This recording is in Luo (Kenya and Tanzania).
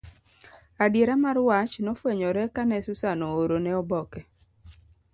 Adiera mar wach nofwenyore kane Susan oorone oboke.